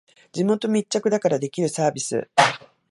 地元密着だからできるサービス